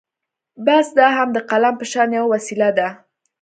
بس دا هم د قلم په شان يوه وسيله ده.